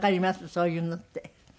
そういうのって。